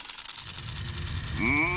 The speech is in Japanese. うん。